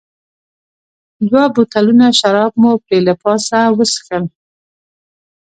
دوه بوتلونه شراب مو پرې له پاسه وڅښل.